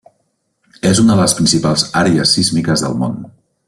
És una de les principals àrees sísmiques del món.